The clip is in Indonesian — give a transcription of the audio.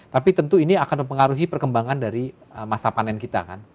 tapi tentu ini akan mempengaruhi perkembangan dari masa panen kita kan